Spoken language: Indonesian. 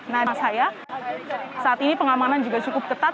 nah di saya saat ini pengamanan juga cukup ketat